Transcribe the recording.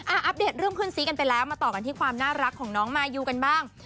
อัปเดตเรื่องเพื่อนซีกันไปแล้วมาต่อกันที่ความน่ารักของน้องมายูกันบ้าง